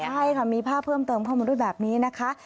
ใช่ค่ะมีภาพเพิ่มเติมเข้ามาด้วยแบบนี้นะคะ